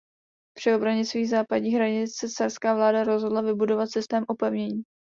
Při obraně svých západních hranic se carská vláda rozhodla vybudovat systém opevnění.